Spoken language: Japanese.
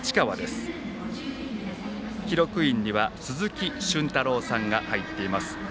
記録員には鈴木駿太郎さんが入っています。